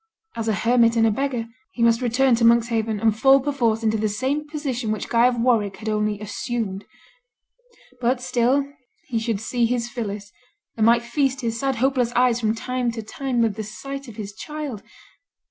As a hermit and a beggar, he must return to Monkshaven, and fall perforce into the same position which Guy of Warwick had only assumed. But still he should see his Phillis, and might feast his sad hopeless eyes from time to time with the sight of his child.